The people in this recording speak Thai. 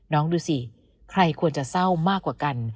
ดูสิใครควรจะเศร้ามากกว่ากัน